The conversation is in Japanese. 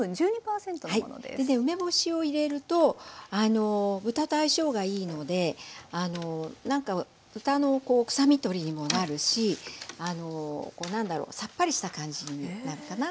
梅干しを入れると豚と相性がいいので何か豚の臭み取りにもなるしこう何だろうさっぱりした感じになるかな。